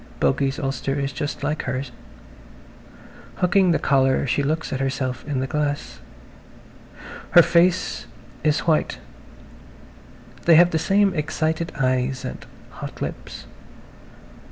Bogey's ulster is just like hers. Hooking the collar she looks at herself in the glass. Her face is white, they have the same excited eyes and hot lips.